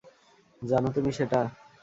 জানো তুমি সেটা?